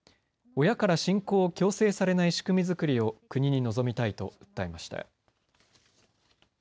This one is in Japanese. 親から信仰を強制されない仕組み作りを国に望みたいと訴えました。